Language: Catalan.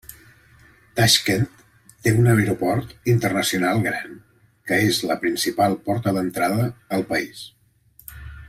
Taixkent té un aeroport internacional gran, que és la principal porta d'entrada al país.